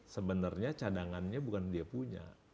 sebenarnya cadangannya bukan dia punya